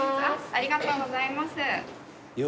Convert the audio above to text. ありがとうございます。